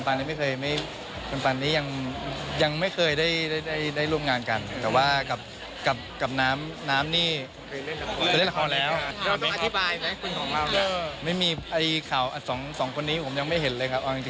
ถ้าสมมุติเราไม่บอกแต่แรกอาจจะแบบนี้